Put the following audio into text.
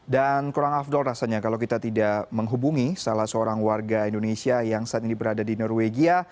dan kurang afdol rasanya kalau kita tidak menghubungi salah seorang warga indonesia yang saat ini berada di norwegia